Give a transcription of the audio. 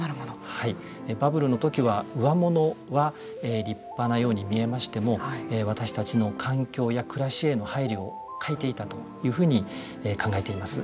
バブルの時はうわものは立派なように見えましても私たちの環境や暮らしへの配慮を欠いていたというふうに考えています。